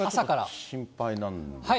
心配なんですね。